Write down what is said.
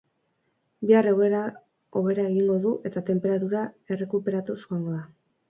Bihar egoera hobera egingo du eta tenperatura errekuperatuz joango da.